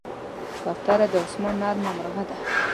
کوتره د آسمان نرمه مرغه ده.